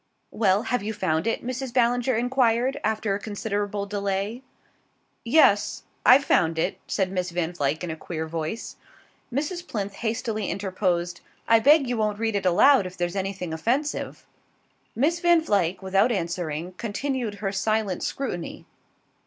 "Well, have you found it?" Mrs. Ballinger enquired after a considerable delay. "Yes. I've found it," said Miss Van Vluyck in a queer voice. Mrs. Plinth hastily interposed: "I beg you won't read it aloud if there's anything offensive." Miss Van Vluyck, without answering, continued her silent scrutiny.